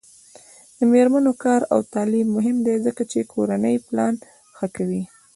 د میرمنو کار او تعلیم مهم دی ځکه چې کورنۍ پلان ښه کوي.